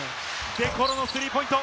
デ・コロのスリーポイント。